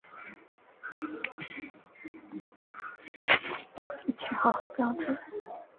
讯号旗可以是任何各种用来发送讯号的旗号或标志。